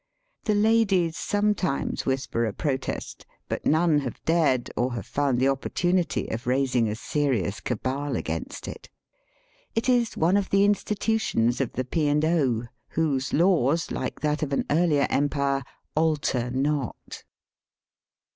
The ladies sometimes whisper a protest, but none have dared, or have found the opportunity, of raising a serious cabal against it. It is one of the institutions of the P. and 0., whose laws, like that of an earlier empire, alter not.